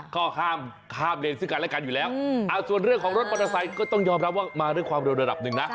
เขาห้ามเลนซึ่งกันและกันอยู่แล้วส่วนเรื่องของรถปลอดภัยก็ต้องยอมรับว่ามาด้วยความเร็วหนึ่งนะ